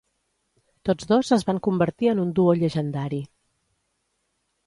Tots dos es van convertir en un duo llegendari.